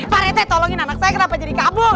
pak rete tolongin anak saya kenapa jadi kabur